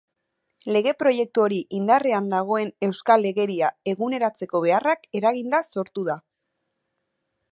Lege-proiektu hori indarrean dagoen euskal legeria eguneratzeko beharrak eraginda sortu da.